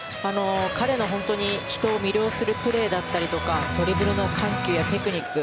彼の人を魅了するプレーだったりとかドリブルの緩急やテクニック。